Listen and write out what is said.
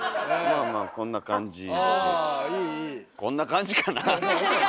こんな感じかなあ？